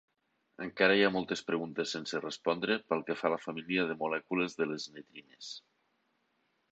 Encara hi ha moltes preguntes sense respondre pel que fa a la família de molècules de les de netrines.